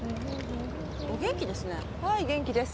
お元気ですね？